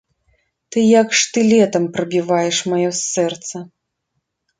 Ты як штылетам прабіваеш маё сэрца!